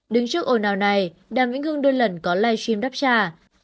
đứng trước ồn ào này đàm vĩnh hưng đôi lần có live stream đáp trả